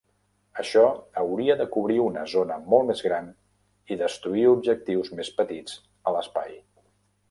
Això hauria de cobrir una zona molt més gran i destruir objectius més petits a l"espai.